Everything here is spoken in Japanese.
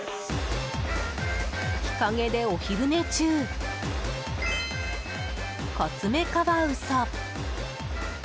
日陰でお昼寝中、コツメカワウソ。